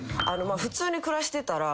普通に暮らしてたら。